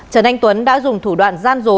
trần anh tuấn đã dùng thủ đoạn gian